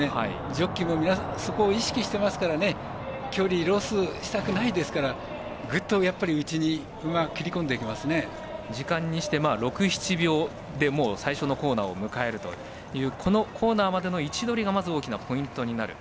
ジョッキーもそこを意識していますから距離をロスしたくないから内に、ぐっと時間にして６７秒で最初のコーナーを迎えるというこのコーナーまでの位置取りが大きなポイントになる。